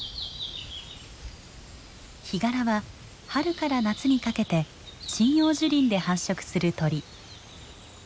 ヒガラは春から夏にかけて針葉樹林で繁殖する鳥。